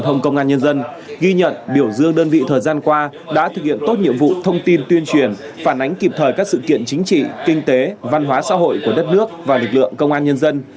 tổ chức nhận biểu dương đơn vị thời gian qua đã thực hiện tốt nhiệm vụ thông tin tuyên truyền phản ánh kịp thời các sự kiện chính trị kinh tế văn hóa xã hội của đất nước và lực lượng công an nhân dân